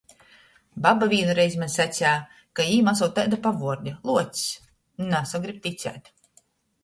Baba vīnu reizi maņ saceja, ka jim asūt taida pavuorde – Luocs. Nasagryb ticēt...